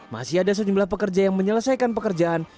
masih ada sejumlah pekerja yang menyelesaikan pekerjaan